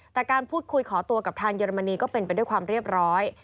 แต่การพูดคุยขอตัวกับทางเยอรมนีก็เป็นไปด้วยความเรียบร้อย